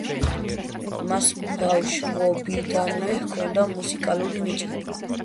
მას ბავშვობიდანვე ჰქონდა მუსიკალური ნიჭი.